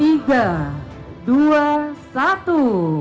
tiga dua satu